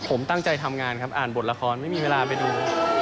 ผมตั้งใจทำงานครับอ่านบทละครไม่มีเวลาไปดู